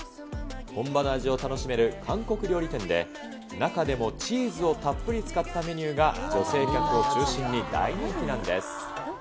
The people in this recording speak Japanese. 本場の味を楽しめる韓国料理店で、中でもチーズをたっぷり使ったメニューが女性客を中心に大人気なんです。